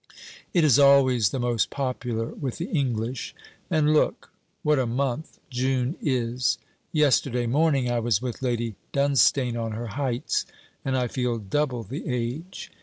It is always the most popular with the English. And look, what a month June is! Yesterday morning I was with Lady Dunstane on her heights, and I feel double the age.